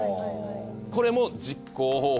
これも実行方法